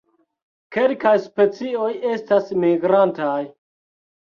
Kelkaj specioj estas migrantaj.